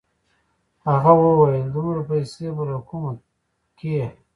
هغه وويل دومره پيسې به له کومه کې.